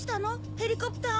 ヘリコプタン。